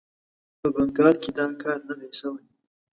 په بنګال کې دا کار نه دی سوی.